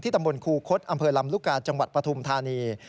ตำบลครูคดอำเภอลำลูกกาจังหวัดปฐุมธานี